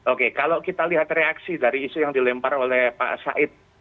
oke kalau kita lihat reaksi dari isu yang dilempar oleh pak said